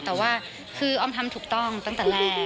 แต่ว่าคือออมทำถูกต้องตั้งแต่แรก